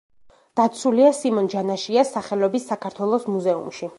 დაცულია სიმონ ჯანაშიას სახელობის საქართველოს მუზეუმში.